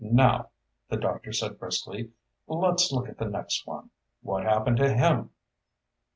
"Now," the doctor said briskly, "let's look at the next one. What happened to him?"